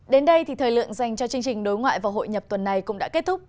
đến đây thì thời lượng dành cho chương trình đối ngoại và hội nhập tuần này cũng đã kết thúc